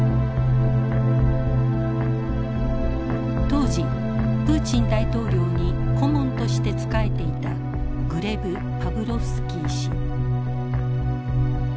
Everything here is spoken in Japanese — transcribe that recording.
当時プーチン大統領に顧問として仕えていたグレブ・パブロフスキー氏。